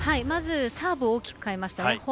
まず、サーブを大きく変えましたね。